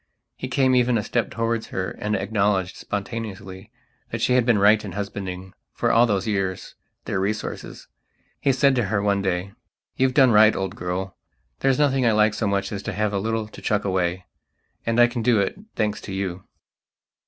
He came even a step towards her and acknowledged, spontaneously, that she had been right in husbanding, for all those years, their resources. He said to her one day: "You've done right, old girl. There's nothing I like so much as to have a little to chuck away. And I can do it, thanks to you."